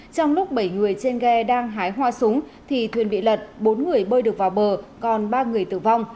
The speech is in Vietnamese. trong lúc bảy người trên ghe đang hái hoa súng thì thuyền bị lật bốn người bơi được vào bờ còn ba người tử vong